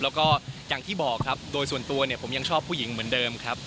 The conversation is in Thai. แล้วก็อย่างที่บอกครับโดยส่วนตัวเนี่ยผมยังชอบผู้หญิงเหมือนเดิมครับ